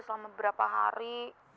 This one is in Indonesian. selama berapa hari